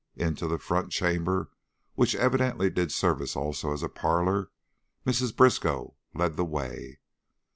Into the front chamber, which evidently did service also as a parlor, Mrs. Briskow led the way.